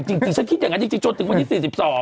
จริงฉันคิดอย่างนั้นจริงจนถึงวันที่๔๒